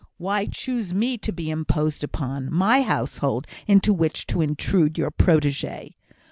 Why choose me to be imposed upon my household into which to intrude your protégée?